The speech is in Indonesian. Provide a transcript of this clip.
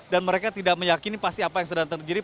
dan mereka tidak meyakini pasti apa yang sedang terjadi